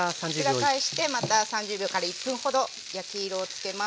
裏返してまた３０秒から１分ほど焼き色をつけます。